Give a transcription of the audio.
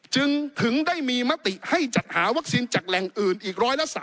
จึงถึงได้มีมติให้จัดหาวัคซีนจากแหล่งอื่นอีก๑๓